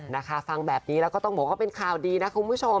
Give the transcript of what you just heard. นะคะฟังแบบนี้แล้วก็ต้องบอกว่าเป็นข่าวดีนะคุณผู้ชม